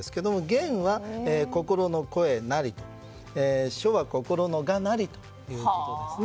言は心の声なり書は心の画なりということです。